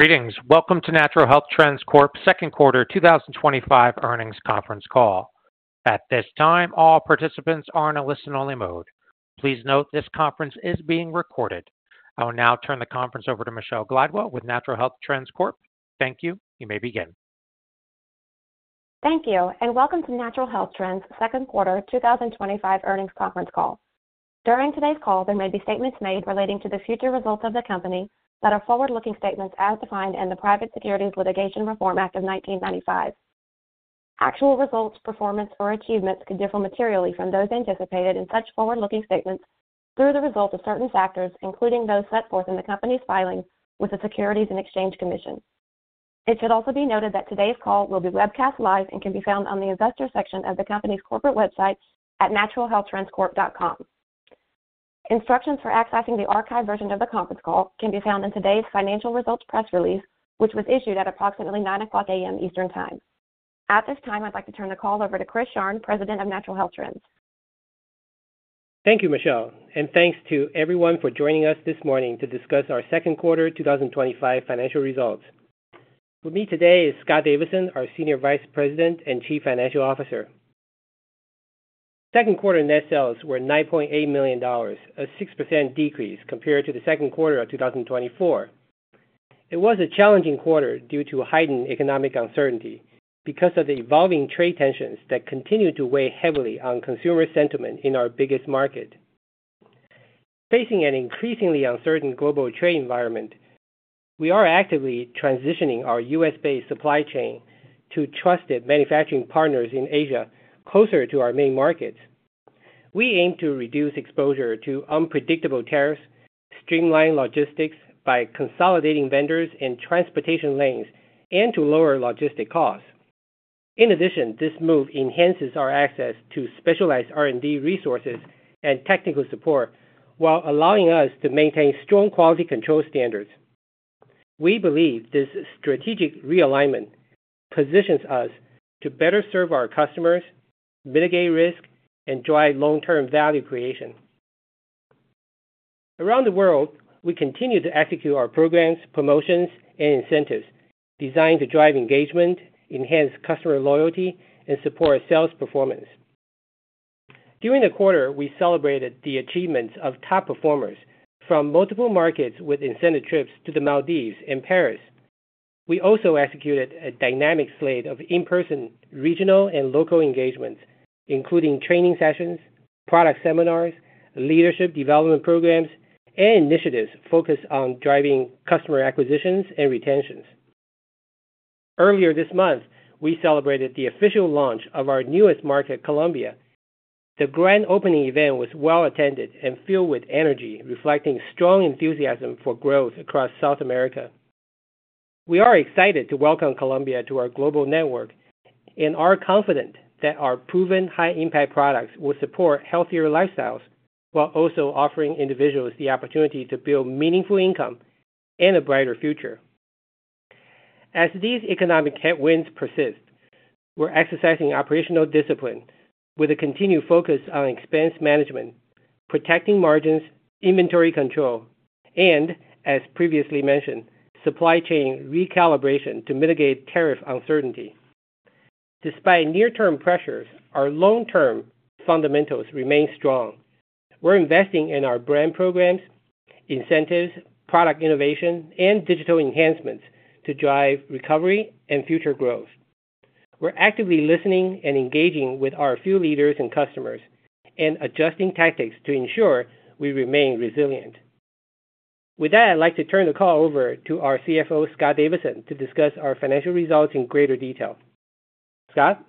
Meetings. Welcome to Natural Health Trends Corp Second Quarter 2025 Earnings Conference Call. At this time, all participants are in a listen-only mode. Please note this conference is being recorded. I will now turn the conference over to Michelle Glidewell with Natural Health Trends Corp. Thank you. You may begin. Thank you, and welcome to Natural Health Trends' Second Quarter 2025 Earnings Conference Call. During today's call, there may be statements made relating to the future results of the company that are forward-looking statements as defined in the Private Securities Litigation Reform Act of 1995. Actual results, performance, or achievements can differ materially from those anticipated in such forward-looking statements through the result of certain factors, including those set forth in the company's filings with the Securities and Exchange Commission. It should also be noted that today's call will be webcast live and can be found on the investor section of the company's corporate website at naturalhealthtrendscorp.com. Instructions for accessing the archived version of the conference call can be found in today's financial results press release, which was issued at approximately 9:00 A.M. Eastern Time. At this time, I'd like to turn the call over to Chris Sharng, President of Natural Health Trends. Thank you, Michelle, and thanks to everyone for joining us this morning to discuss our second quarter 2025 financial results. With me today is Scott Davidson, our Senior Vice President and Chief Financial Officer. Second quarter net sales were $9.8 million, a 6% decrease compared to the second quarter of 2024. It was a challenging quarter due to heightened economic uncertainty because of the evolving trade tensions that continue to weigh heavily on consumer sentiment in our biggest market. Facing an increasingly uncertain global trade environment, we are actively transitioning our U.S.-based supply chain to trusted manufacturing partners in Asia, closer to our main markets. We aim to reduce exposure to unpredictable tariffs, streamline logistics by consolidating vendors and transportation lanes, and to lower logistic costs. In addition, this move enhances our access to specialized R&D resources and technical support while allowing us to maintain strong quality control standards. We believe this strategic realignment positions us to better serve our customers, mitigate risk, and drive long-term value creation. Around the world, we continue to execute our programs, promotions, and incentives designed to drive engagement, enhance customer loyalty, and support sales performance. During the quarter, we celebrated the achievements of top performers from multiple markets, with incentive trips to the Maldives and Paris. We also executed a dynamic slate of in-person regional and local engagements, including training sessions, product seminars, leadership development programs, and initiatives focused on driving customer acquisitions and retentions. Earlier this month, we celebrated the official launch of our newest market, Colombia. The grand opening event was well attended and filled with energy, reflecting strong enthusiasm for growth across South America. We are excited to welcome Colombia to our global network and are confident that our proven high-impact products will support healthier lifestyles, while also offering individuals the opportunity to build meaningful income and a brighter future. As these economic headwinds persist, we're exercising operational discipline with a continued focus on expense management, protecting margins, inventory control, and, as previously mentioned, supply chain recalibration to mitigate tariff uncertainty. Despite near-term pressures, our long-term fundamentals remain strong. We're investing in our brand programs, incentives, product innovation, and digital enhancements to drive recovery and future growth. We're actively listening and engaging with our field leaders and customers and adjusting tactics to ensure we remain resilient. With that, I'd like to turn the call over to our CFO, Scott Davidson, to discuss our financial results in greater detail. Scott?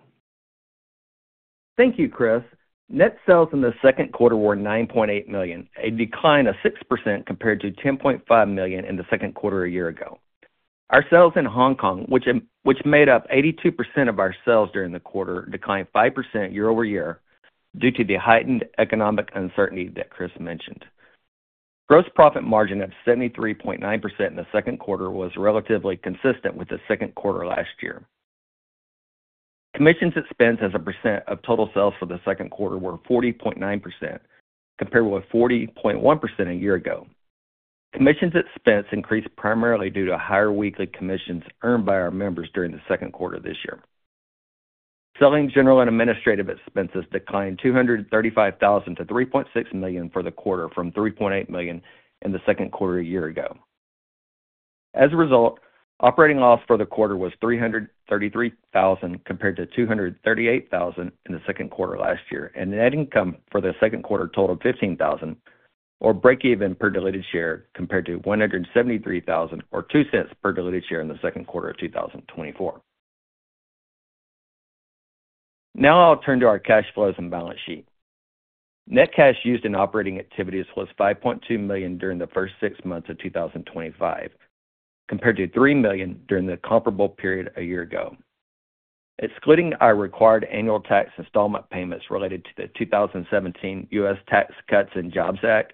Thank you, Chris. Net sales in the second quarter were $9.8 million, a decline of 6% compared to $10.5 million in the second quarter a year ago. Our sales in Hong Kong, which made up 82% of our sales during the quarter, declined 5% year-over-year due to the heightened economic uncertainty that Chris mentioned. Gross profit margin of 73.9% in the second quarter was relatively consistent with the second quarter last year. Commissions expense as a percent of total sales for the second quarter were 40.9%, compared with 40.1% a year ago. Commissions expense increased primarily due to higher weekly commissions earned by our members during the second quarter this year. Selling, general and administrative expenses declined $235,000 to $3.6 million for the quarter, from $3.8 million in the second quarter a year ago. As a result, operating loss for the quarter was $333,000 compared to $238,000 in the second quarter last year, and net income for the second quarter totaled $15,000, or breakeven per diluted share compared to $173,000 or $0.02 per diluted share in the second quarter of 2024. Now I'll turn to our cash flows and balance sheet. Net cash used in operating activities was $5.2 million during the first six months of 2025, compared to $3 million during the comparable period a year ago. Excluding our required annual tax installment payments related to the 2017 U.S. Tax Cuts and Jobs Act,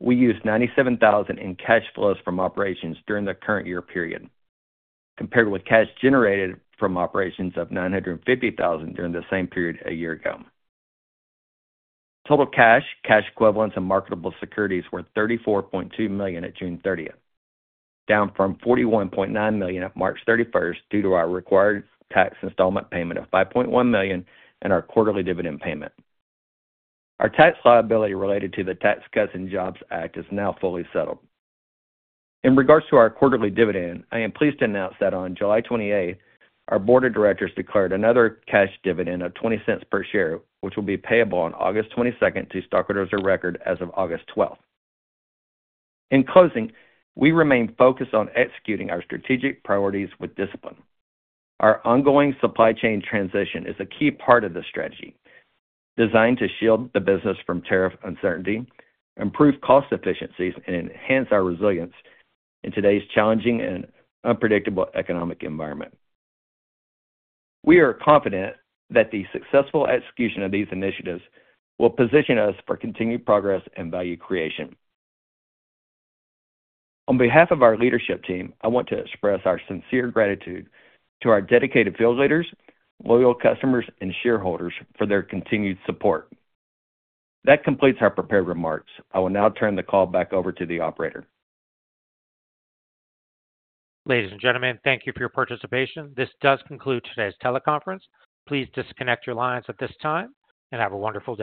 we used $97,000 in cash flows from operations during the current year period, compared with cash generated from operations of $950,000 during the same period a year ago. Total cash, cash equivalents, and marketable securities were $34.2 million at June 30th, down from $41.9 million at March 31st due to our required tax installment payment of $5.1 million and our quarterly dividend payment. Our tax liability related to the U.S. Tax Cuts and Jobs Act is now fully settled. In regards to our quarterly dividend, I am pleased to announce that on July 28th, our board of directors declared another cash dividend of $0.20 per share, which will be payable on August 22nd to stockholders of record as of August 12th. In closing, we remain focused on executing our strategic priorities with discipline. Our ongoing supply chain transition is a key part of this strategy, designed to shield the business from tariff uncertainty, improve cost efficiencies, and enhance our resilience in today's challenging and unpredictable economic environment. We are confident that the successful execution of these initiatives will position us for continued progress and value creation. On behalf of our leadership team, I want to express our sincere gratitude to our dedicated field leaders, loyal customers, and shareholders for their continued support. That completes our prepared remarks. I will now turn the call back over to the operator. Ladies and gentlemen, thank you for your participation. This does conclude today's teleconference. Please disconnect your lines at this time and have a wonderful day.